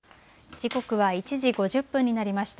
時刻は１時５０分になりました。